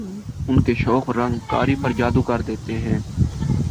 ان کے شوخ رنگ قاری پر جادو کر دیتے ہیں